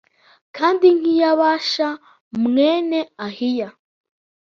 kandi nk’iya Bāsha mwene Ahiya